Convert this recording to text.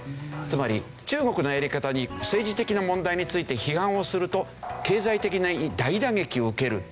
つまり中国のやり方に政治的な問題について批判をすると経済的な大打撃を受けるという状態。